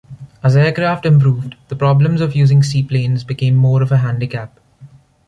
As aircraft improved, the problems of using seaplanes became more of a handicap.